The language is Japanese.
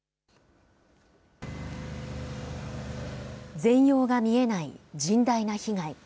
全容が見えない甚大な被害。